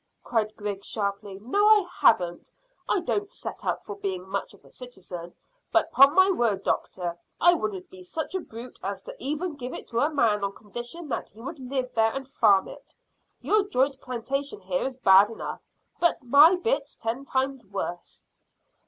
cried Griggs sharply. "No, I haven't. I don't set up for being much of a citizen, but, 'pon my word, doctor, I wouldn't be such a brute as to even give it to a man on condition that he would live there and farm it. Your joint plantation here is bad enough, but my bit's ten times worse."